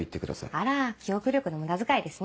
あら記憶力の無駄遣いですね。